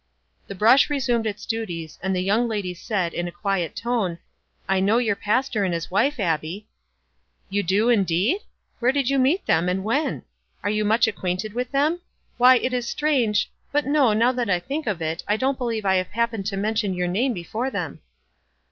The brush resumed its duties, and the young lady said, in a quiet tone, — "I know your pastor and his wife, Abbie !" "Do you, indeed? Where did you meet them, and when? Are you much acquainted with them? Why, it is strange — But no, now I think of it, I don't believe I have hap pened to mention your name before them."